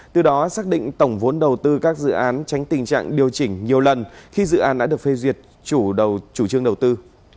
từ đó xác định tổng vốn đầu tư các dự án tránh tình trạng điều chỉnh nhiều lần khi dự án đã được phê duyệt chủ trương đầu tư